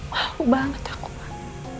malu banget aku mak